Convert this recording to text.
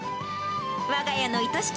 わが家のいとしき